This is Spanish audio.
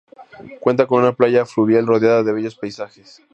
Cuenta con una playa fluvial rodeada de bellos paisajes.